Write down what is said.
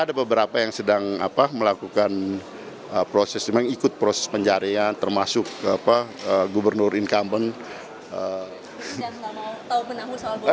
ada beberapa yang sedang melakukan proses memang ikut proses pencarian termasuk gubernur incumbent